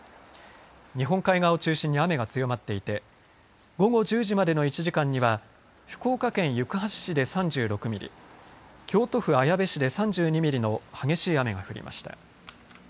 日本海側を中心に雨が強まっていて午後１０時までの１時間には福岡県行橋市で３６ミリ京都府綾部市で３２ミリの激しい雨が降りました。